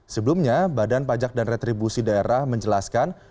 sebelumnya badan pajak dan retribusi daerah menjelaskan